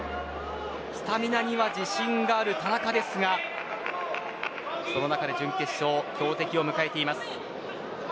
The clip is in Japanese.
スタミナには自信がある田中ですがその中で準決勝強敵を迎えています。